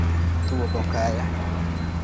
Thuol okaya.